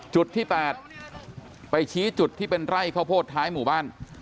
จุดที่๘ไปชี้จุดที่เป็นไร่ข้าวโพดท้ายหมู่บ้าน